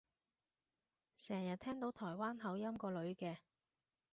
成日聽到台灣口音個女嘅